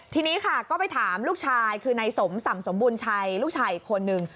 ทีนี้ค่ะก็ไปถามลูกชายคือนายสมศัมรษมภ์บูชัยคนหนึ่ง